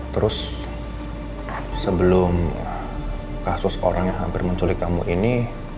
terus sebelum kasus orang yang hampir menculik kamu ini